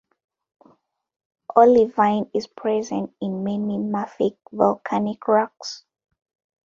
Olivine is present in many mafic volcanic rocks.